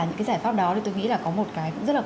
những cái giải pháp đó thì tôi nghĩ là có một cái cũng rất là